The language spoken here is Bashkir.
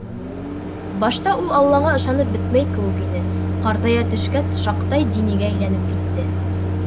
Башта ул аллаға ышанып бөтмәй кеүек ине, ҡартая төшкәс, шаҡтай «динигә» әйләнеп китте.